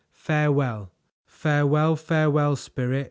Farewell!" "Farewell, farewell, Spirit!"